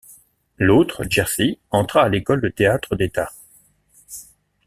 L'autre, Jerzy, entra à l’École de Théâtre d'État.